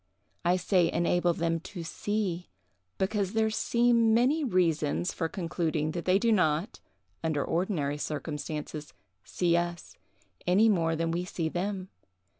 I say enable them to see, because there seem many reasons for concluding that they do not, under ordinary circumstances, see us, any more than we see them.